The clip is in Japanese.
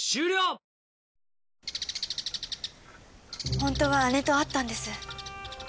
ほんとは姉と会ったんです。